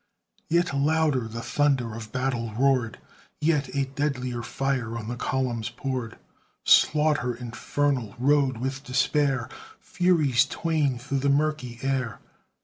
Yet louder the thunder of battle roared Yet a deadlier fire on the columns poured; Slaughter infernal rode with Despair, Furies twain, through the murky air.